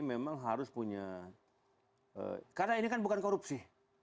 memang harus punya karena ini kan bukan korupsi